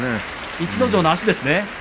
逸ノ城の足ですね。